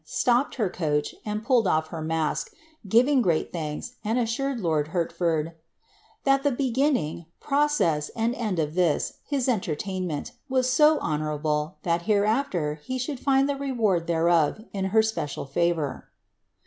Hopped her coach, and pulled off her mask, giving great thanks,' and issured lord Hertford, ^' that the beginning, process, and end of this, his eoCertaimnent, was so honourable, that hereafler he should find the reward thereol^ in her special favour."